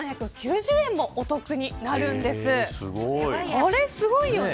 これすごいよね。